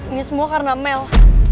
ini semua karena mel